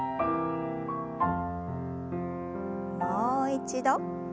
もう一度。